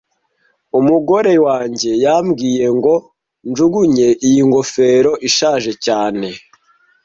Umugore wanjye yambwiye ngo njugunye iyi ngofero ishaje cyane